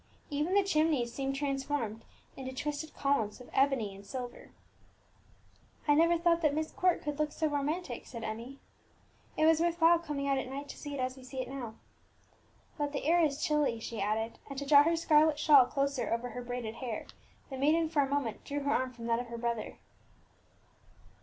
Even the chimneys seemed transformed into twisted columns of ebony and silver. "I never thought that Myst Court could look so romantic," said Emmie; "it was worth while coming out at night to see it as we see it now. But the air is chilly," she added, and, to draw her scarlet shawl closer over her braided hair, the maiden for a moment drew her arm from that of her brother.